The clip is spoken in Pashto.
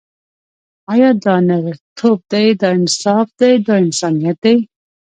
آیا دا نرتوب دی، دا انصاف دی، دا انسانیت دی.